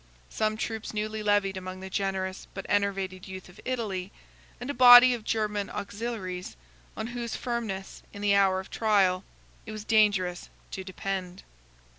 Some troops newly levied among the generous but enervated youth of Italy; and a body of German auxiliaries, on whose firmness, in the hour of trial, it was dangerous to depend.